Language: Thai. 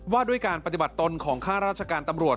ว่าด้วยการปฏิบัติตนของข้าราชการตำรวจ